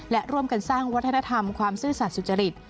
และร่วมกันสร้างวัฒนธรรมความซื่อสัตว์สุจริต